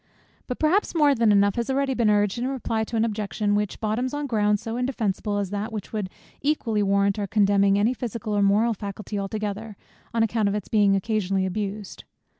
But perhaps more than enough has been already urged in reply to an objection, which bottoms on ground so indefensible, as that which would equally warrant our condemning any physical or moral faculty altogether, on account of its being occasionally abused.